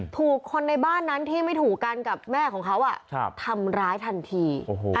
ถูกคนในบ้านนั้นที่ไม่ถูกกันกับแม่ของเขาทำร้ายทันที